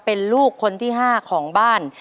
เป็นลูกคนที่๕ของบ้าน